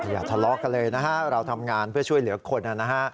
อย่าทะเลาะกันเลยนะฮะเราทำงานเพื่อช่วยเหลือคนนะฮะ